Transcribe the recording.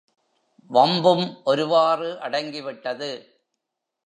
வம்பும் ஒருவாறு அடங்கிவிட்டது.